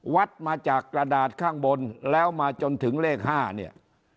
วัดมาจากกระดาษข้างบนแล้วมาจนถึงเลข๕เนี่ย